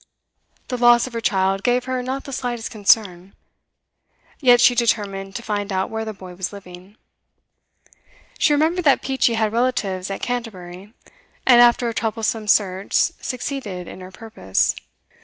The loss of her child gave her not the slightest concern, yet she determined to find out where the boy was living. She remembered that Peachey had relatives at Canterbury, and after a troublesome search succeeded in her purpose.